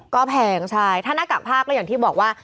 ก็แพงใช่ถ้าหน้ากากผ้าก็อย่างที่บอกว่า